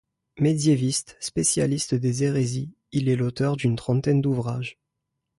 Médiéviste, spécialiste des hérésies, il est l'auteur d'une trentaine d'ouvrages.